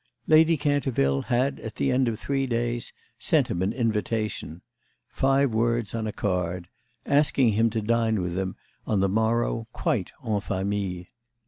Lady Canterville had at the end of three days sent him an invitation—five words on a card—asking him to dine with them on the morrow quite en famille.